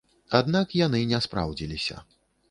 Аднак яны не спраўдзіліся.